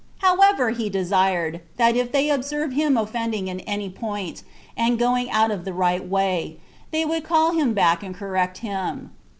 However, he desired, that if they observed him offending in any point, and going out of the right way, they would call him back and correct him.